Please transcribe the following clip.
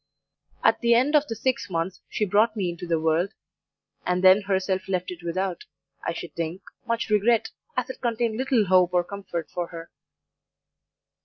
At the end of the six months she brought me into the world, and then herself left it without, I should think, much regret, as it contained little hope or comfort for her.